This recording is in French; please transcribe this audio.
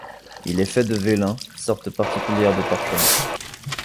Il est fait de vélin, sorte particulière de parchemin.